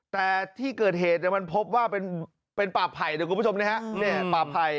แต่ที่เกิดเหตุมันพบว่าเป็นเป็นป่าไผ่นะครับ